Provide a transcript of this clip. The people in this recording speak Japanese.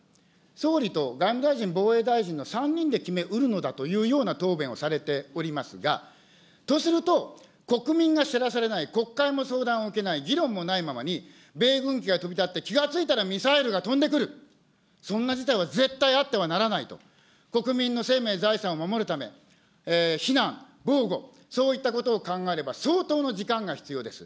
総理と外務大臣、防衛大臣の３人で決めうるのだというような答弁をされておりますが、とすると、国民が知らされない、国会の相談を受けない、議論もないままに、米軍機が飛び立って、気がついたらミサイルが飛んでくる、そんな事態は絶対にあってはならないと、国民の生命、財産を守るため、避難、防護、そういったことを考えれば、相当の時間が必要です。